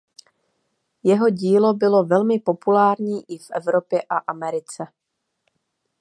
Jeho dílo bylo velmi populární i v Evropě a Americe.